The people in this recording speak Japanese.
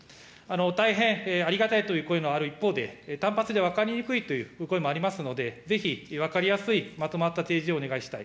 大変、ありがたいという声がある一方で、単発で分かりにくいという声もありますので、ぜひ分かりやすいまとまった提示をお願いしたい。